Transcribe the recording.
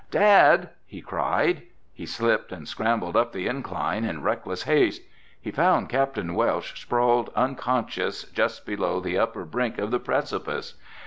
"Dad!" he cried. He slipped and scrambled up the incline in reckless haste. He found Capt. Welsh sprawled unconscious just below the upper brink of the precipice.